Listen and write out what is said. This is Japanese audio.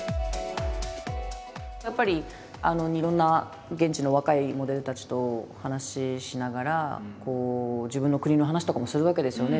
やっぱりいろんな現地の若いモデルたちと話しながら自分の国の話とかもするわけですよね